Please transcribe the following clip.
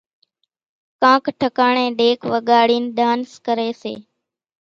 ڪانڪ ٺڪاڻين ڍيڪ وڳاڙينَ ڍانس ڪريَ سي۔